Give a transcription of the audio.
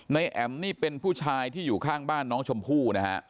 แอ๋มนี่เป็นผู้ชายที่อยู่ข้างบ้านน้องชมพู่นะฮะ